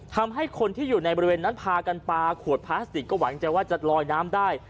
ทำให้คนที่อยู่ในบริเวณนั้นพากันปลาขวดพลาสติกก็หวังใจว่าจะลอยน้ำได้